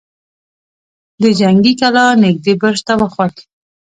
د جنګي کلا نږدې برج ته وخوت.